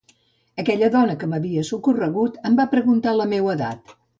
Aquella dona que m’havia socorregut em va preguntar la meua edat.